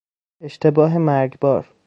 اشتباه مرگبار